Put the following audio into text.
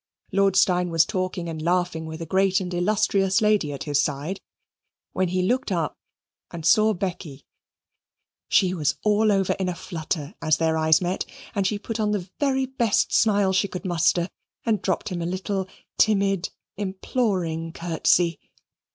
Lord Steyne was talking and laughing with a great and illustrious lady at his side, when he looked up and saw Becky. She was all over in a flutter as their eyes met, and she put on the very best smile she could muster, and dropped him a little, timid, imploring curtsey.